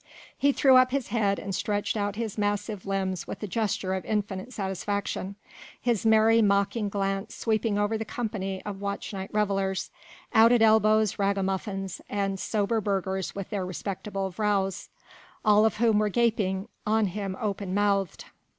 He threw up his head and stretched out his massive limbs with a gesture of infinite satisfaction, his merry mocking glance sweeping over the company of watch night revellers, out at elbows ragamuffins, and sober burghers with their respectable vrouws, all of whom were gaping on him open mouthed.